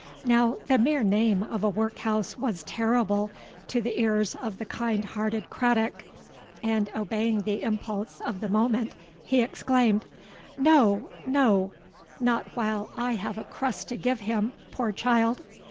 '—Now, the mere name of a workhouse was terrible to the ears of the kind hearted Craddock; and, obeying the impulse of the moment, he exclaimed, 'No, no: not while I have a crust to give him, poor child!'